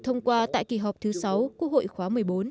thông qua tại kỳ họp thứ sáu quốc hội khóa một mươi bốn